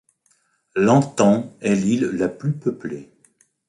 Lantan est l'île la plus peuplée.